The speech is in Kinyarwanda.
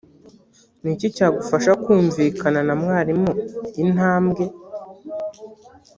ni iki cyagufasha kumvikana na mwarimu intambwe